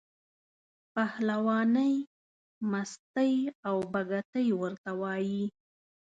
پهلوانۍ، مستۍ او بګتۍ ورته وایي.